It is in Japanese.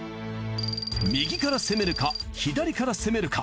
右から攻めるか左から攻めるか！？